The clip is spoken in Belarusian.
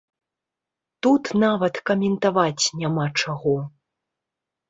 Тут нават каментаваць няма чаго!